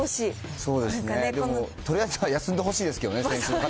そうですね、とりあえずは休んでほしいですけどね。